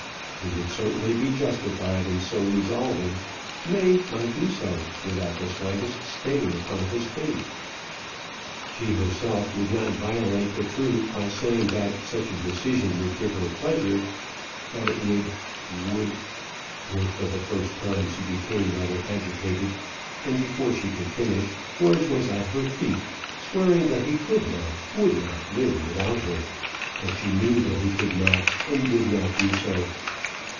He would certainly be justified in so resolving; nay, might do so without the slightest stain upon his faith. She herself would not violate the truth by saying that such a decision would give her pleasure; that it would would Here for the first time she became rather agitated, and before she could finish, George was at her feet, swearing that he could not, would not live without her; that she knew that he could not, and would not do so.